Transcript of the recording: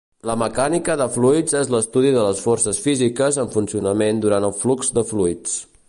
La mecànica de fluids és l'estudi de les forces físiques en funcionament durant el flux de fluids.